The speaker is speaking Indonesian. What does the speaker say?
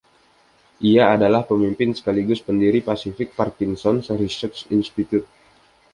Ia adalah Pemimpin sekaligus pendiri Pacific Parkinson's Research Institute.